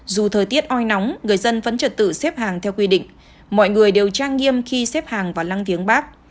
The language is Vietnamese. dù thời tiết oi nóng người dân vẫn trật tự xếp hàng theo quy định mọi người đều trang nghiêm khi xếp hàng vào lăng viếng bắc